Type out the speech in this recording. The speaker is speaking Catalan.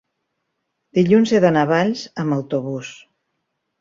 dilluns he d'anar a Valls amb autobús.